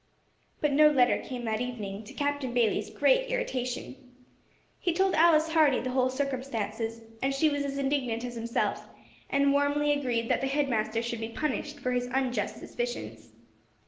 But no letter came that evening, to Captain Bayley's great irritation. He told Alice Hardy the whole circumstances, and she was as indignant as himself, and warmly agreed that the head master should be punished for his unjust suspicions.